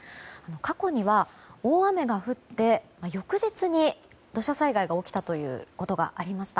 過去には、大雨が降って翌日に土砂災害が起きたことがありました。